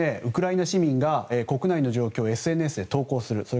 ウクライナ市民が国内の状況をＳＮＳで投稿する。